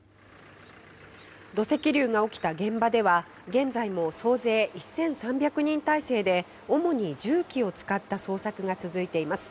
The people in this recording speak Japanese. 土石流が起きた現場では現在も総勢１３００人態勢で主に重機を使った捜索が続いています。